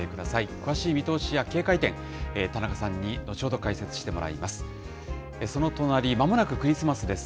詳しい見通しや警戒点、田中さんに後ほど解説してもらいます。